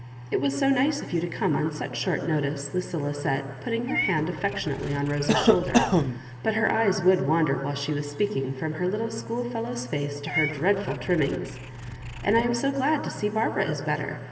" It was so nice of you to come on such short notice," Lucilla said, put ting her hand affectionately on Rose's shoulder; but her eyes would wander wliile she was speaking from her little schoolfellow's face to her dreadful trimmings ;" and I am so glad to seo^arbara is better.